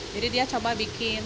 jadi dia coba bikin